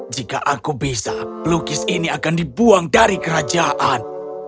jika aku bisa pelukis ini akan dibuang dari kerajaan